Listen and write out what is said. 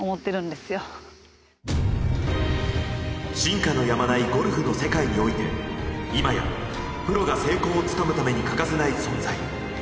進化のやまないゴルフの世界において今やプロが成功をつかむために欠かせない存在。